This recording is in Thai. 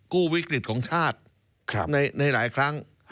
กู้วิกฤตของชาติในหลายครั้ง